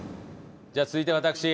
じゃあ続いて私。